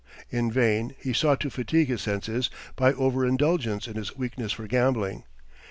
In vain he sought to fatigue his senses by over indulgence in his weakness for gambling.